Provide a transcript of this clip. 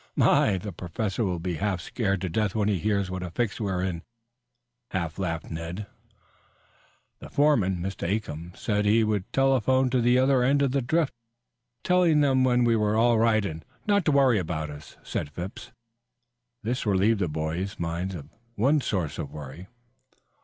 "My! the Professor will be half scared to death when he hears what a fix we are in," half laughed Ned. "The foreman, Mr. Acomb, said he would telephone to the other end of the drift telling them we were all right and not to worry about us," said Phipps. This relieved the boys' minds of one source of worry.